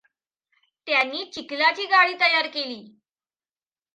त्यांनी चिखलाची गाडी तयार केली.